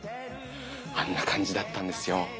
あんなかんじだったんですよ。